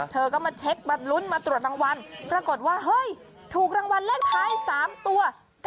เธอก็มาเช็คมาลุ้นมาตรวจรางวัลปรากฏว่าเฮ้ยถูกรางวัลเลขท้าย๓ตัว